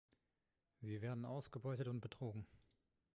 Sie werden ausgebeutet und betrogen.